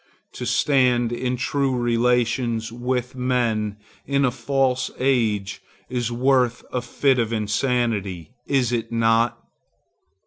To stand in true relations with men in a false age is worth a fit of insanity, is it not?